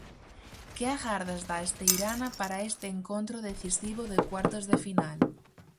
Que agardas da Esteirana para este encontro decisivo de cuartos de final?